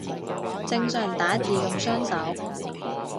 正常打字用雙手